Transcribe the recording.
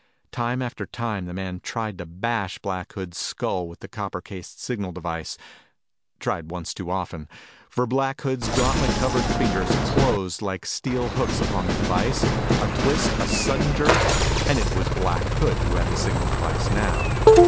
Time after time the man tried to bash Black Hood's skull with the copper cased signal device tried once too often; for Black Hood's gauntlet covered fingers closed like steel hooks upon the device. A twist, a sudden jerk, and it was Black Hood who had the signal device now.